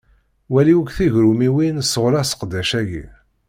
Wali akk tigrummiwin sɣuṛ aseqdac-agi.